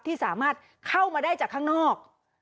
ที่สามารถเข้ามาได้จากข้างนอก